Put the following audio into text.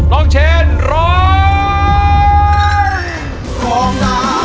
น้องเชนร้อย